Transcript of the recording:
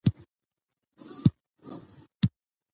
ژورې سرچینې د افغانستان د پوهنې په ملي نصاب کې هم شامل دي.